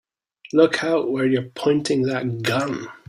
Look out where you're pointing that gun!